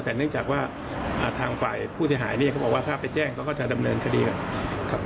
แต่เนื่องจากว่าทางฝ่ายผู้เสียหายเนี่ยเขาบอกว่าถ้าไปแจ้งเขาก็จะดำเนินคดีกันครับ